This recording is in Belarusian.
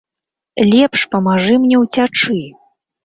Лепш памажы мне ўцячы!